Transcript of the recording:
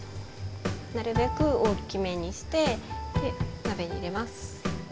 なるべく大きめにして鍋に入れます。